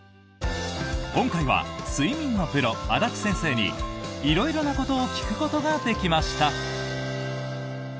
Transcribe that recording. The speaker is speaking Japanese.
今回は睡眠のプロ、安達先生に色々なことを聞くことができました。